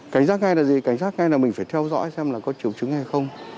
cảnh giác ngay là gì cảnh giác ngay là mình phải theo dõi xem là có triệu chứng hay không